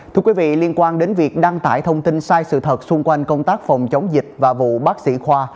thưa quý vị liên quan đến việc đăng tải thông tin sai sự thật xung quanh công tác phòng chống dịch và vụ bác sĩ khoa